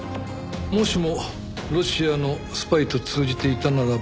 もしもロシアのスパイと通じていたならば。